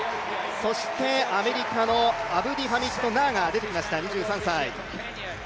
そしてアメリカのアブディハミッド・ナーが出てきまはた、２３歳。